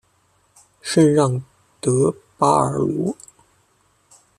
圣让德巴尔鲁。